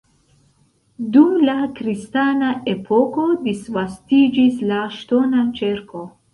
Dum la kristana epoko disvastiĝis la ŝtona ĉerko.